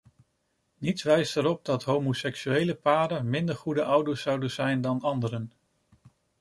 Niets wijst erop dat homoseksuele paren minder goede ouders zouden zijn dan anderen.